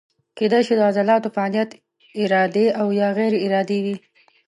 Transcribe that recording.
کیدای شي د عضلاتو فعالیت ارادي او یا غیر ارادي وي.